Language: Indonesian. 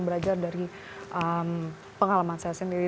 belajar dari pengalaman saya sendiri